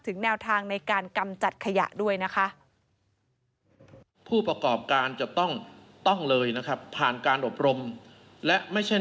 แนวทางในการกำจัดขยะด้วยนะคะ